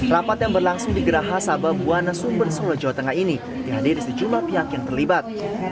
rapat yang berlangsung di geraha sabah buwana sumber solo jawa tengah ini dihadiri sejumlah pihak yang terlibat